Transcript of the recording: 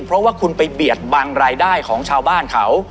เพราะว่าคุณไปเบียดบังรายได้ของชาวบ้านเขา